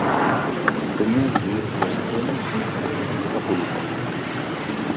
The movie was filmed in Acapulco.